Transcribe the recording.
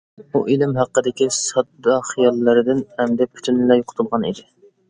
ئۇ ئىلىم ھەققىدىكى سادا خىياللىرىدىن ئەمدى پۈتۈنلەي قۇتۇلغان ئىدى.